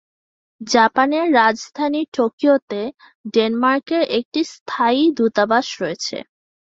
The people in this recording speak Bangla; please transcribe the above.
জাপানের রাজধানী টোকিওতে ডেনমার্কের একটি স্থায়ী দূতাবাস রয়েছে।